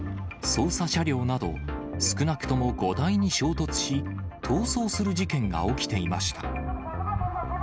捜査車両など、少なくとも５台に衝突し、逃走する事件が起きていました。